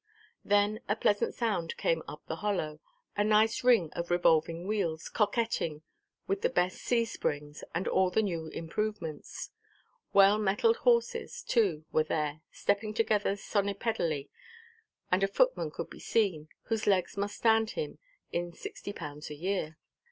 Then a pleasant sound came up the hollow, a nice ring of revolving wheels coquetting with the best C springs and all the new improvements. Well–mettled horses, too, were there, stepping together sonipedally, and a footman could be seen, whose legs must stand him in 60_l._ a year.